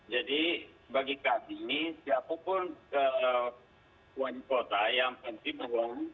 jadi bagi kami siapapun wali kota yang penting berwawang